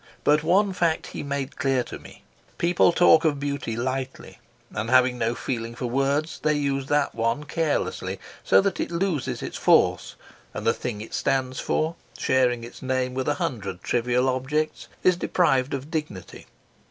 But one fact he made clear to me; people talk of beauty lightly, and having no feeling for words, they use that one carelessly, so that it loses its force; and the thing it stands for, sharing its name with a hundred trivial objects, is deprived of dignity.